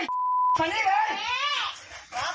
อยากดาล